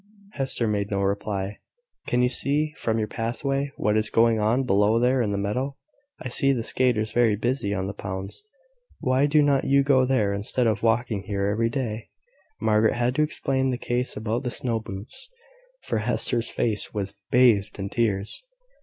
Hester made no reply. "Can you see from your pathway what is going on below there in the meadow? I see the skaters very busy on the ponds. Why do not you go there, instead of walking here every day?" Margaret had to explain the case about the snow boots, for Hester's face was bathed in tears.